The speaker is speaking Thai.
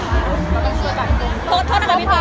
เป็นประโยชน์สอบความหิว